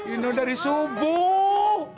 ini dari subuh